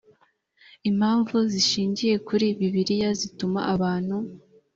impamvu zishingiye kuri bibiliya zituma abantu